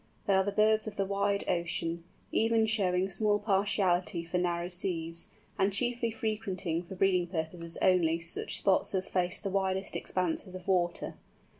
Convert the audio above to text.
They are the birds of the wide ocean, even showing small partiality for narrow seas, and chiefly frequenting for breeding purposes only such spots as face the widest expanses of water.